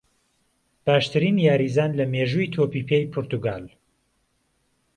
باشترین یاریزان له مێژووی تۆپی پێی پورتوگال